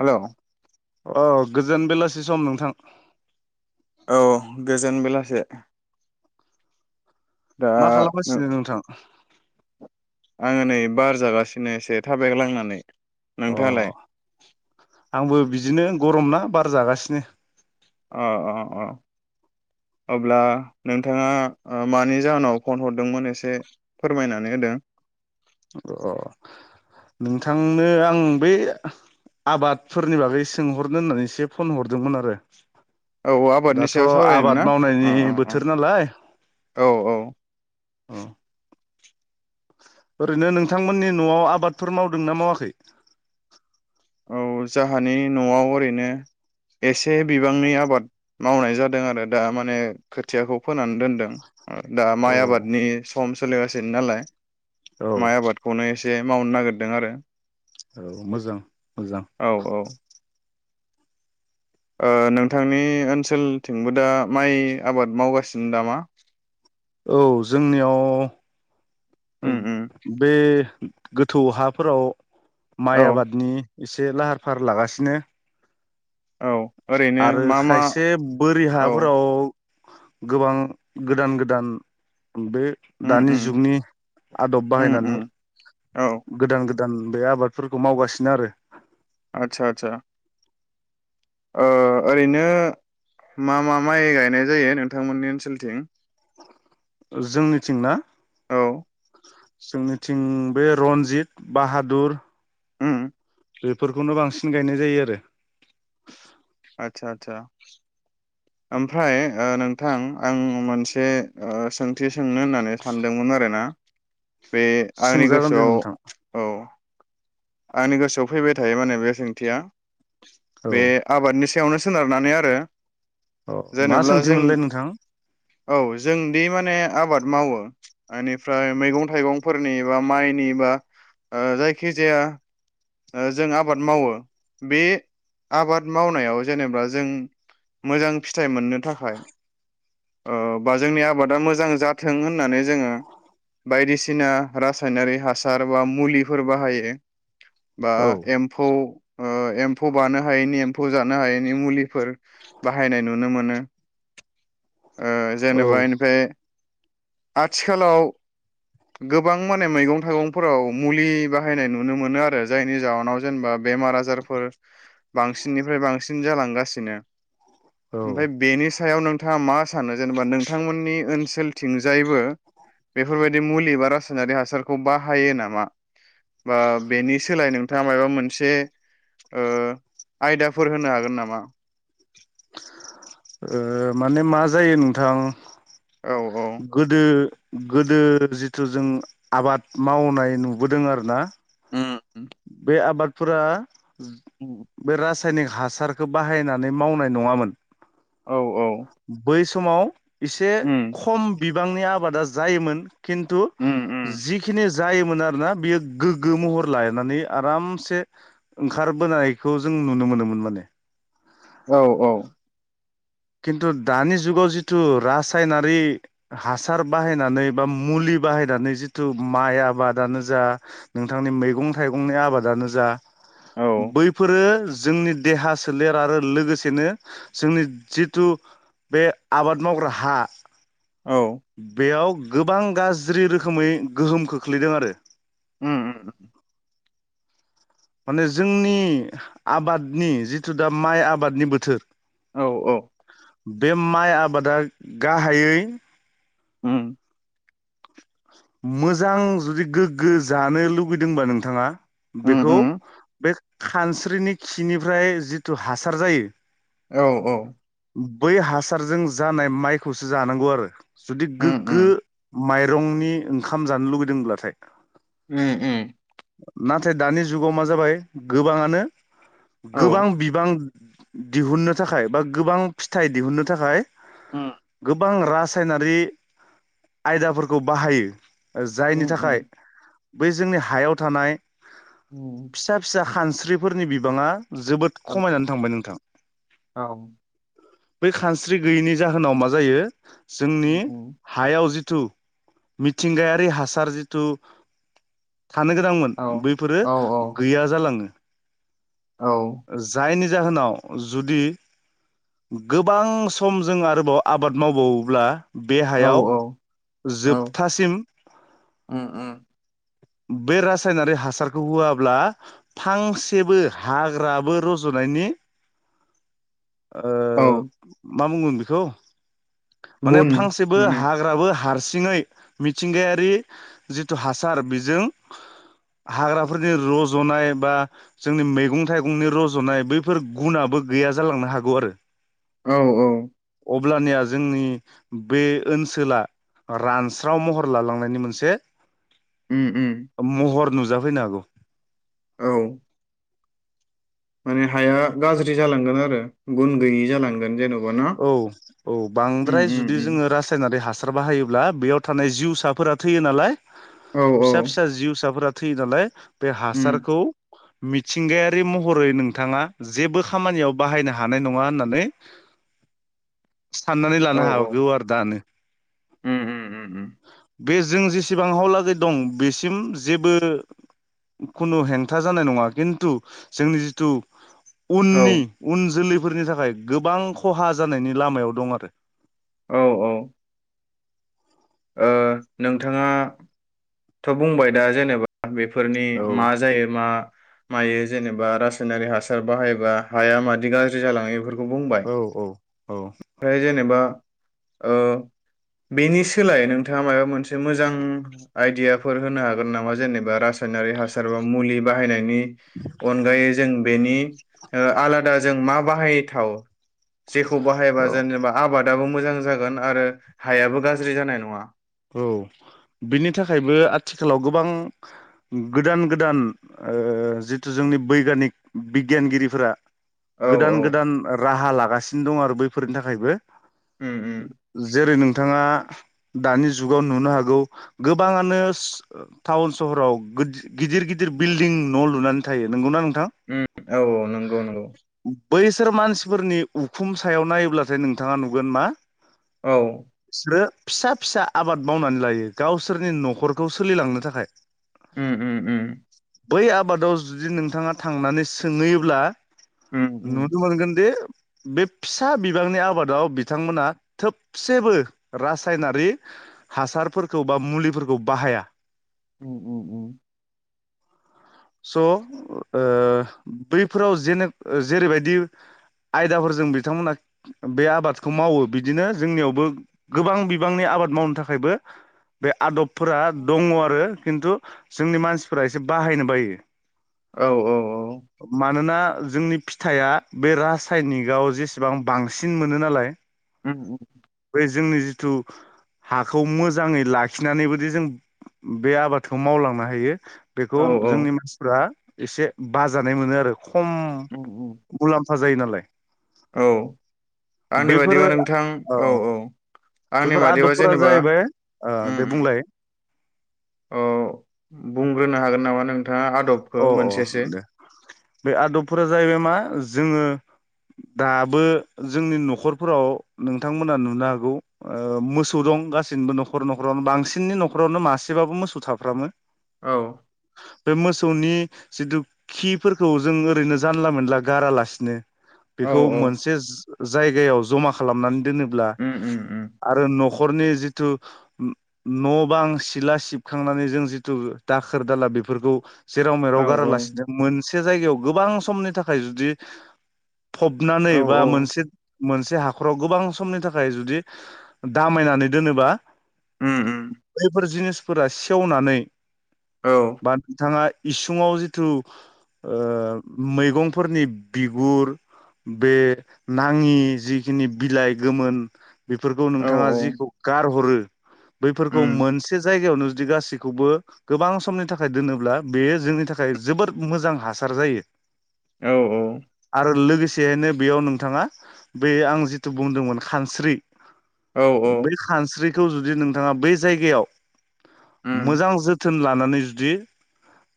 हेल'। औ, गोजोन बेलासि सम नोंथां। औ, गोजोन बेलासे। दा मा खालामगासिनो नोंथां? आङो नै बार जागासि अ, नोंथाङालाय आंबो बिदिनो गरम ना बा र जागासिनो। अ अ अ, अब्ला नोंथाङा ओ मानि जाहोनाव फन हरदोंमोन एसे फोरमायनानै होदो। अ, नोंथांनो आं बे आबादफोरनि बागै सोंहरनो होननानैसो फन हरदोंमोन आरो औ आबादनि दाथ' सायाव सावरायनो ना आबाद अ मावनायनि अ अ बोथोर नालाय। औ औ औ। ओरैनो नोंथांमोननि न'आव आबादफोर मावदोंना मावाखै? औ, जाहानि न'आव ओरैनो एसे बिबांनि आबाद मावनाय जादों आरो दा माने खोथियाखौ फोनानै दोनदों। दा औ माइ आबादनि फर्म सोलिगासिनो नालाय। औ माय आबादखौनो एसे मावनो नागिरदों आरो। औ मोजां मोजां औ औ। ओ नोंथांनि ओनसोलथिंबो दा माइ आबाद मावगासिनो दा मा? औ जोंनियाव उम ओम उम बे गोथौ हाफोराव औ माइ आबादनि एसे लाहार फाहार लागासिनो। औ। ओरैनो आरो मा मा खायसे बोरि औ हाफोराव गोबां गोदान गोदान बे उम दानि उम जुगनि आदब उम बाहायनानै उम औ गोदान गो दान बे आबादफोरखौ मावगासिनो आरो आतसा आतसा ओ ओरैनो मा मा माइ गायनाय जायो नोंथांमोननि ओनसोलथिं? जोंनिथिं ना? औ जोंनिथिं बे रन्जित बाहादुर उ बेफोरखौनो बांसिन गायनाय जायो आरो आतसा आतसा ओमफ्राय ओ नोंथां आं मोन मोनसे ओ सोंथिस सोंनो होननानै सानदोंमोन आरो ना [unintelligible] बे आंनि सोंजागोन दे गोसोआव नोंथां औ आंनि गोसोआव फैबाय थायो माने बे सोंथिया औ बे आबादनिस सायावनो सोनारनानै आरो अ मा जेनेब्ला जों सोंथिमोनलाय नोंथां? औ जोंदि माने आबाद मावो एनिफ्राय मैगं थाइगंफोरनि बा माइनि बा ओ जायखि जाया ओ जों आबाद मावो बे आबाद मावनायाव जेनेबा जों मोजां फिथाइ मोननो थाखाय ओ बा जोंनि आबादा मोजां जाथों होननानै जोङो बायदिसिना रासायनारि हासार बा मुलिफोर बाहायो। बा औ एम्फौ ओ एम्फौ बानो हायैनि एम्फौ जानो हायैनि मुलिफोर बाहायनाय नुनो मोनो। ओ औ जेनेबा इनिफाय आथिखालाव गोबां माने मैगं थायगंफोराव मुलि बा बाहायनाय नुनो मोनो आरो जायनि जाहोनाव जेनेबा बेमार आजारफोर बांसिननिफ्राय बांसिन जालांगा सिनो औ ओ ओमफाय बेनि सायाव नोंथ थाङा मा सानो जेनेबा नोंथांमोननि ओनसोलथिंजायबो बेफोरबायदि मुलि बा रासायनारि हासारखौ बाहायो नामा बा बेनि सो ओ आयदाफोर होनो हागोन नामा? ओ माने मा जायो नोंथां औ औ गोदो गोदो जिथु जों आबाद मावनाय नुबोदों आरोना । उम। उम बे आबाद फोरा बे रास सायनिक हासारखौ बाहायनानै मावनाय नङामोन । औ औ। समाव एसे उम खम बिब बांनि आबादा जायोमोन। खिनथु उम उम जिखिनि जायोमोन आरो ना बियो गोग्गो महर लाय नानै आरामसे ओंखारबोनायखौ जों नुनो मोनोमोन माने । औ औ। खिन्थु दानि जुगाव जिथु रासायनारि हासार बाहायनानै बा मुलि बाहायनानै जिथु माइ आबादानो जा नोंथांनि मैगं थाइगंनि आबादानो जा औ बैफोरो जोंनि देहा सोलेर आरो लोगोसेनो जोंनि जि थु बे आबाद मावग्रा हा औ बेयाव गोबां गाज्रि रोखोमै गोहोम खोख्लैदों आरो । उम उम माने जोंनि आबादनि जिथु दा माइ आबादनि बोथोर। औ औ। बे माइ आबादा गाहायै। ओम। मोजां जुदि गोग्गो जानो लुबैदोंबा नोंथाङा। उम बेखौ उम बे। खानस्रिनि खिनिफ्राय जिथु हासार जायो। औ औ। बै हासारजों जानाय माइखौसो जानांगौ आरो। जुदि उम उम गोग्गो। माइरंनि। ओंखाम जानो लुगैदोंब्लाथाय। उम नाथाय दानि जुगाव मा जाबाय गोबाङानो। औ गोबां बिबां। दिहुननो थाखाय बा गोबां फिथाइ दिहुननो थाखाय। गो उम गोबां रासायनारि आयदाफोरखौ बाहायो। ओ जायनि उम उम थाखाय। बै जोंनि हायाव थानाय। ओम। फिसा फिसा खानस्रिफोरनि बिबाङा जोबोद खमायनानै थांबाय नोंथां। औ बै खानस्रि गैयैनि जाहोनाव मा जायो? जोंनि उम उम हायाव जि थु मिथिंगायारि हासार जिथु थानो गोनांमोन औ बैफोरो औ गैया जालाङो। औ जायनि जाहोनाव जुदि गोबां सम जों आरोबाव आबाद मावबाववोब्ला बे औ हायाव जोब थासिम। ओम ओम। बे रासायनारि हासारखौ होआब्ला फांसेबो हाग्राबो रज'नायनि ओ औ मा बुंगोन बेखौ माने गुन फांसेबो माने हाग्राबो हारसि थिङै मिथिंगायारि जिथु हासार बि जों हाग्राफोरनि रज'नाय बा जोंनि मैगं थाइगंनि रज'नाय बैफोर गुनाबो गैया जालांनो हागौ आरो औ औ। अब्लानिया जोंनि बे ओनसोला रानस्राव महर लालांनायनि मोनसे उम उम महर नुज जाफै नो हागौ। औ। माने हाया गाज्रि जालांगोन आरो गुन गैयि जालांगोन जेन' औ औ बांद्राय जुदि उम जोङो रासायनारि हासा बाहायोब्ला बेयाव थानाय जिउसाफोरा थैयो नालाय । औ औ फिसा फिसा जिउ साफोरा थैयो नालाय। बे उम हासारखौ मिथिंगायारि महरै नोंथाङा जेबो खामानियाव बाहायनो हानाय नङा होननानै साननानै औ लानो औ हागौ आरो दानो। उम उम उम उम बे जों जेसेबां हाव लागै दं बेसिम जेबो खुनु हेंथा जानाय नङा खिन्थु जोंनि जिथु औ उननि उन जोलै फोरनि थाखाय गोबां ख खहा जानायनि लामायाव दं आरो। औ औ। ओ नोंथाङाथ' बुंबाय दा जेनेबा बेफोरनि मा औ जायो मा मायो जेनेबा रासायनारि हासार बाहायोबा हाया मादि गाज्रि जालाङो बेफोरखौ खौ बुंबाय औ औ औ ओमफ्राय जेनेबा ओ बेनि सोलाय नोंथाङा माबा मोनसे मोजां आइदियाफोर होनो हागोन नामा जेनेबा रासायनारि हासार बा मुलि बाहायनायनि अनायै जों बेनि ओ आलादा जों मा बाहायथाव जेखौ बाहायबा औ जेनेबा आबादाबो मोजां जागोन आरो हायाबो गाज्रि ज्रि जानाय नङा। औ बिनि थाखायबो आथिखालाव गोबां गोदान गोदान ओ जिथु जोंनि बैग्यिनिक बिगियानगिरिफोरा औ गोदान गोदान राहा ला जागासिनो दं आरो बैफोरनि थाखायबो उम उम नों थाङा दानि जुगाव नुनो हागौ गोबाङानो टाउन सहराव गो गिदिर गिदिर बिल्डिं न' लुनानै थायो नोंगौना नों उम औ औ नंगौ नंगौ। बैसोर मानसिफोरनि उखुम सायाव नायोब्लाथाय नोंथाङा नुगोन मा औ सो फिसा फिसा आबाद मावनानै लायो गावसोरनि न'खरखौ सोलिलांनो थाखाय। उम उम उम बै आबादाव जुदि नोंथाङा थांनानै सोंहैयोब्ला उम उम नुनो मोनगोन दि बे फिसा बिबांनि आबादाव बिथांमोना थोबसेबो रासायनारि हासारफोरखौ बा मुलिफोरखौ बाहाया। उम उम उम स' ओ बैफोराव जेने जेरैबायदि आयदाफोरजों बिथांमोना बे आबादखौ मावो बिदिनो जोंनियावबो गोबां बिबांनि आबाद मावनो थाखायबो बे आदब फोरा दङ आरो खिन्थु जोंनि मानसिफोरा एसे बाहायनो बायो। औ औ मानोना जोंनि फिथाइआ बे रासायनिकआव जेसेबां बांसिन मोनो नालाय उम उम बै जोंनि जिथु हाखौ मोजाङै लाखिनानैबोदि जों बे आबादखौ मावलांनो हायो। बेखौ औ औ जोंनि मानसिफ्रा एसे बाजानाय मोनो आरो। खम उम उम गुलाम जायो नालाय। औ आंनि बादिबा बैफोरो नोंथां औ औ आंनि बादिबा फोरा जेनेबा जाहैबाय दे बुंलाय। अ बुंग्रोनो हागोन नामा नों अ अ दे बे आदबफोरा जाहैबाय मा जोङो दाबो जोंनि न'खरफोराव नोंथांमोना नुनो हागौ ओ मोसौ दं गासिनिबो न'खर न'खरावनो बांसिननि न'खरावनो मासेबाबो मोसौ थाफ्रामो। औ। बे मोसौनि जिथु खिफोरखौ जों ओरैनो जानला मोनला गारालासिनो औ बेखौ मोनसे जायगायाव जमा खालामनानै दोनोब्ला उम उम उम आरो न'खरनि जिथु न' बां सिला सिबखांनानै जों जिथु दाखोर दाला बेफोरखौ जेराव मेराव औ औ गारालासिनो मोन से जायगायाव गोबां समनि थाखाय जुदि फबनानै औ बा औ मोनसे मोनसे हाखराव गोबां समनि थाखाय जुदि दामायनानै दोनोबा। उम उम। बैफोर जिनिसफोरा सेवनानै औ बा नोंथाङा इसुङाव जिथु ओ मैगंफोरनि बिगुर बे नाङि जिखिनि बिलाइ गोमोन । बेफोरखौ औ नोंथाङा जिखौ गारहरो बैफोरखौ उम मोनसे जायगायावनो जुदि गासैखौबो गोबां समनि थाखाय दोनो अब्ला बेयो जोंनि थाखाय जोबोद मोजां हासार जायो औ औ। आरो लोगोसेयैनो बेयाव नोंथाङा बे आं जिथु बुंदोंमोन खानस्रि औ औ बेै खानस्रि खौ जुदि नोंथाङा बै जायगायाव उम मोजां जोथोन लानानै जुदि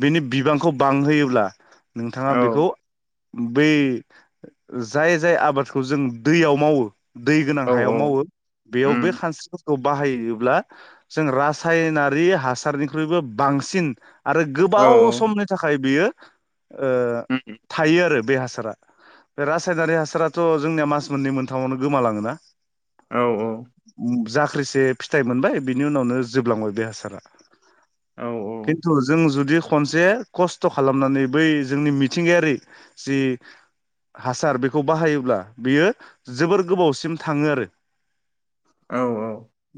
बेनि बिबांखौ बांहोयोब्ला नोंथाङा औ बेखौ बै जाय जाय आबादखौ जों दैयाव मावो दै गोनां औ हायाव मावो बेयाव उम बे खानस्रिफोरखौ बाहायोब्ला जों रासायनारि हासारनिख्रुइबो बांसिन आरो औ गोबाव समनि थाखाय बेयो [inaudible] ओ उम थायो आरो बे हासारा बे रासायनारि हासाराथ' जोंनिया मास मोननै मोनथामावनो गोमालाङोना औ औ। जाख्रिसे फिथाइ मोनबाय बिनि उनावनो जोबलांबाय बे हासारा औ औ खिन्थु जों जुदि खनसे खस्थ' खालामनानै बै जोंनि मिथिंगायारि जि हासार बेखौ बाहायोब्ला बियो जोबोर गोबावसिम थाङो आरो। औ औ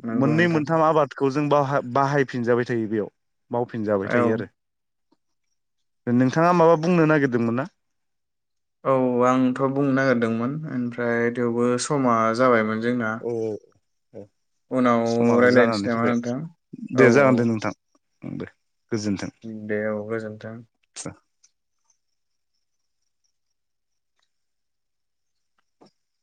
नंगौ मोननै नोंथां मोनथाम आबादखौ जों बाहा बाहायफिनजाबाय थायो बेयाव [unintelligible] फिन जाबाय औ थायो आरो । नोंथाङा माबा बुंनो नागिरदोंमोन ना? औ आंथ' बुंनो नागिरदोंमोन ओमफ्राय थेवबो समा जाबायमोन जोंना औ औ। औ उनाव समाबो जानानै रायज्लायनोसै नामा नोंथां औ औ। उम दे। गोजोन्थों। उम दे अउ गोजोनथों।